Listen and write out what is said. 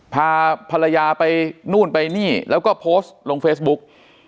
พาภรรยาไปนู่นไปนี่แล้วก็โพสต์ลงเฟซบุ๊ก